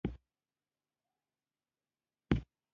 ګومان کېږي چې په کمه موده کې دا سلسله پای ته رسېدلې وي.